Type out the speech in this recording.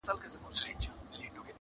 دا چي امیل نه سومه ستا د غاړي -